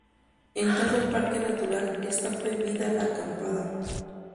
En todo el parque natural está prohibida la acampada.